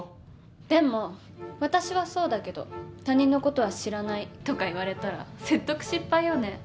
でも「私はそうだけど他人の事は知らない」とか言われたら説得失敗よね。